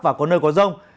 và có nơi có rông